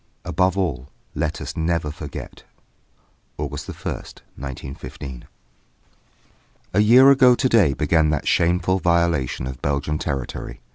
XV ABOVE ALL LET US NEVER FORGET! August 1st, 1915. A year ago to day began that shameful violation of Belgian territory.